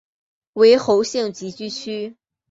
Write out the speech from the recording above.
为侯姓集居区。